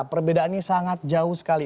perbedaannya sangat jauh sekali